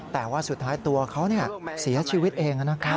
แต่ว่าสุดท้ายตัวเขาเสียชีวิตเองนะครับ